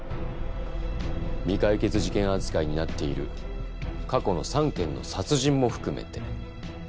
未解決事件扱いになっている過去の３件の殺人も含めて。